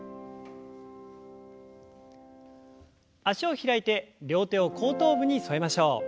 脚を開いて両手を後頭部に添えましょう。